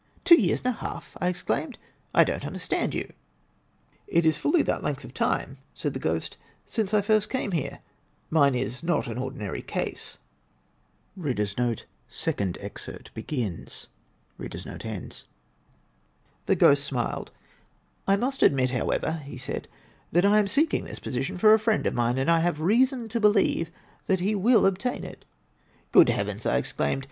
"Two years and a half!" I exclaimed. "I don't understand you." "It is fully that length of time," said the ghost, "since I first came here. Mine is not an ordinary case." •••• The ghost smiled. "I must admit, however," he said, "that I am seeking this posi tion for a friend of mine, and I have reason to believe that he will obtain it." "Good heavens!" I exclaimed.